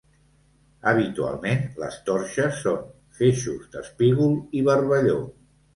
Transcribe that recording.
Habitualment, les torxes són feixos d’espígol i barballó.